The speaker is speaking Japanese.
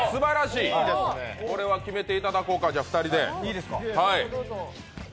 これは決めていただこうか、２人で。